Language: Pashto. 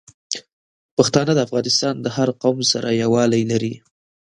پښتانه د افغانستان د هر قوم سره یوالی لري.